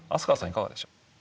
いかがでしょう。